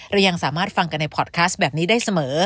เรายังสามารถฟังกันในพอร์ตคัสแบบนี้ได้เสมอ